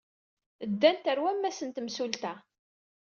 Ddant ɣer wammas n temsulta.